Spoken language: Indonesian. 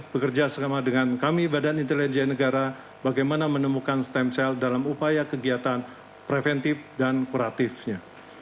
bekerjasama dengan kami bin bagaimana menemukan stem cell dalam upaya kegiatan preventif dan kuratifnya